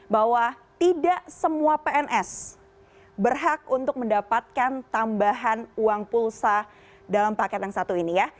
bahwa tidak semua pns berhak untuk mendapatkan tambahan uang pulsa dalam paket yang satu ini ya